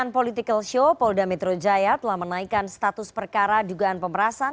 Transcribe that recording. polda metro jaya telah menaikkan status perkara dugaan pemerasan